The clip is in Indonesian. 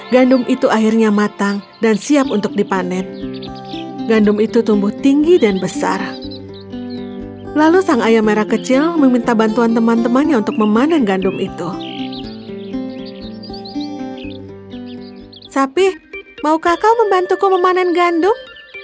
sapi maukah kau membantuku memanen gandum